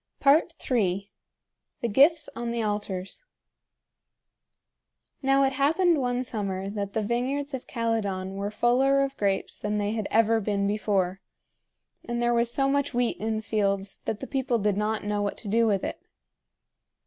III. THE GIFTS ON THE ALTARS. Now it happened one summer that the vineyards of Calydon were fuller of grapes than they had ever been before, and there was so much wheat in the fields that the people did not know what to do with it.